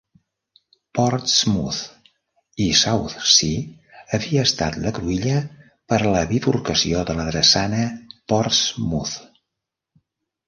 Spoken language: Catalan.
Portsmouth i Southsea havia estat la cruïlla per a la bifurcació de la drassana Portsmouth.